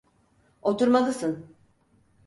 Oturmalısın.